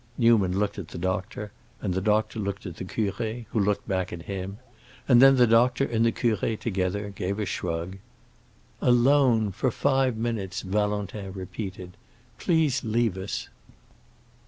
Newman looked at the doctor, and the doctor looked at the curé, who looked back at him; and then the doctor and the curé, together, gave a shrug. "Alone—for five minutes," Valentin repeated. "Please leave us."